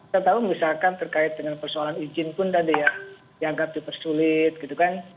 saya tahu misalkan terkait dengan persoalan izin pun tadi ya dianggap dipersulit gitu kan